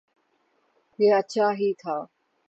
یہ اچھا ہی تھا۔